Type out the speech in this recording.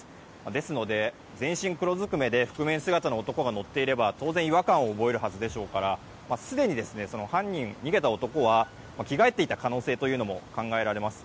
ですので全身黒ずくめで覆面姿の男が乗っていれば当然、違和感を覚えるはずでしょうからすでに逃げた男は着替えていた可能性も考えられます。